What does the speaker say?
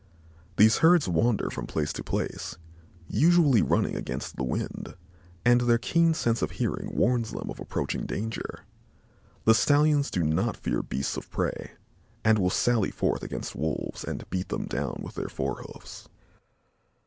These herds wander from place to place, usually running against the wind, and their keen sense of hearing warns them of approaching danger. The stallions do not fear beasts of prey and will sally forth against wolves and beat them down with their fore hoofs.